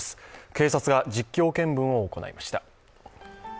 警察が実況見分を行いました。